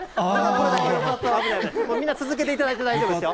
危ない、危ない、みんな、続けていただいて大丈夫ですよ。